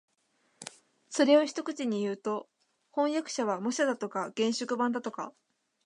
それを一口にいうと、飜訳者は模写だとか原色版だとか